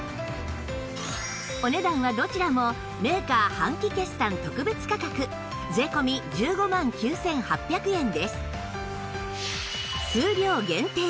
お値段はどちらもメーカー半期決算特別価格税込１５万９８００円です